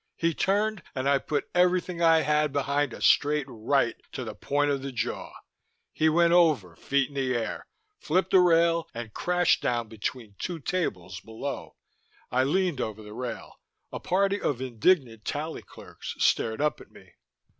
He turned, and I put everything I had behind a straight right to the point of the jaw. He went over, feet in the air, flipped a rail, and crashed down between two tables below. I leaned over the rail. A party of indignant Tally clerks stared up at me.